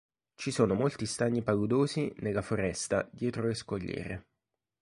Ci sono molti stagni paludosi nella foresta dietro le scogliere.